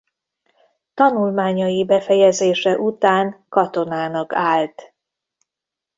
Tanulmányai befejezése után katonának állt.